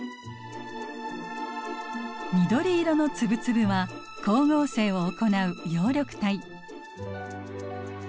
緑色の粒々は光合成を行う葉緑体。